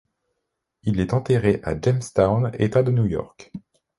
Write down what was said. Il est enterré à Jamestown, État de New York.